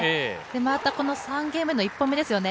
またこの３ゲームの１本目ですよね。